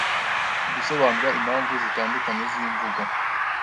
Gusobanura impamvu zitandukanye z'imvugo.